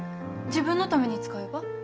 自分のために使えば？